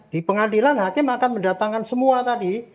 di pengadilan hakim akan mendatangkan semua tadi